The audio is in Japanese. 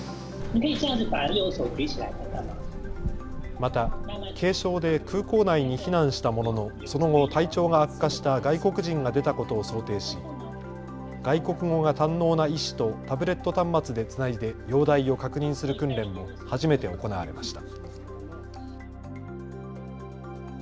また軽傷で空港内に避難したもののその後、体調が悪化した外国人が出たことを想定し外国語が堪能な医師とタブレット端末でつないで容体を確認する訓練も初めて行われました。